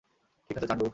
ঠিক আছে, চান্ডু।